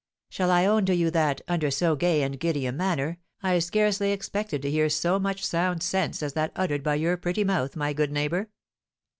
"Shall I own to you that, under so gay and giddy a manner, I scarcely expected to hear so much sound sense as that uttered by your pretty mouth, my good neighbour?"